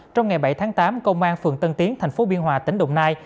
trong ngày bảy tháng tám công an phường tân tiến thành phố biên hòa tỉnh đồng nai